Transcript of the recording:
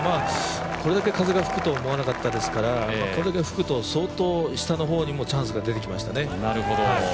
これだけ風が吹くと思わなかったですから、これだけ吹くと相当下の方にもチャンスが出てきましたね。